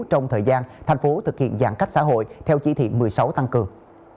trong thời gian thành phố thực hiện giãn cách xã hội theo chỉ thị một mươi sáu tăng cường